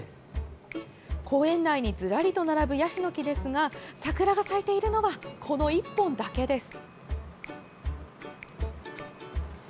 公園内にずらりと並ぶヤシの木ですが桜が咲いているのはこの１本だけです。